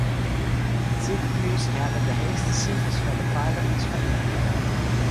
It sikehús helle de heechste sifers foar de feiligens fan iten.